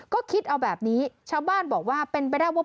ก็คิดเอาแบบนี้ชาวบ้านบอกว่าเป็นไปได้ว่า